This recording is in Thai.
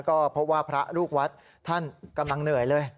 ก็พบว่าพระลูกวัดท่านกำลังเหนื่อยเลย